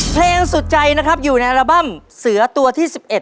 เพลงสุดใจอยู่ในอัลบั้มเสือตัวที่๑๑